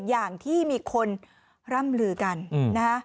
อย่างที่มีคนร่ำลือกันนะฮะ